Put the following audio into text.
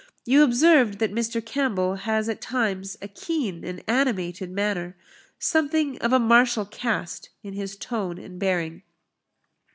You observed that Mr. Campbell has at times a keen and animated manner something of a martial cast in his tone and bearing."